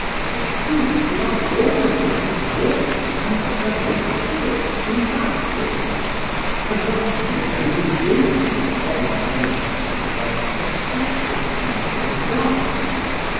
Forsooth we are born again of water and of the Holy Spirit in baptism, and thus from the very beginning is the body made, as it were, a special temple of God.